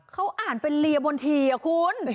เขาอ่านเป็นเรียบนทีอะคุณ